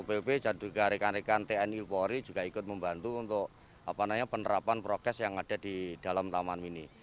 bpp dan juga rekan rekan tni polri juga ikut membantu untuk penerapan prokes yang ada di dalam taman mini